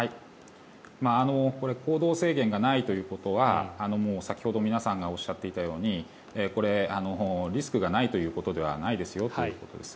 行動制限がないということは先ほど皆さんがおっしゃっていたようにこれ、リスクがないということではないですということです。